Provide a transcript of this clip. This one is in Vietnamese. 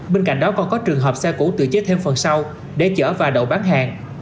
bên cạnh đó còn có trường hợp xe cũ tự chế thêm phần sau để chở và đậu bán hàng